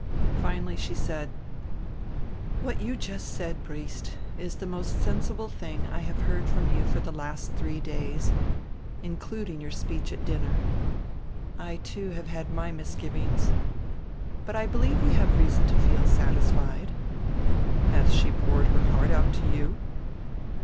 Finally she said: "What you just said, Briest, is die most sensible tiling I have heard from you for die last three days, including your speech at dinner. I, too, have had my misgivings. But I believe we have reason to feel satisfied." "Has she poured out her heart to you?